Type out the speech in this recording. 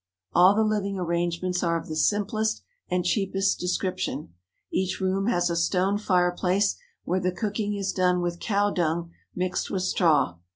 All the living arrangements are of the simplest and cheapest description. Each room has a stone fireplace where the cooking is done with cow dung mixed with straw.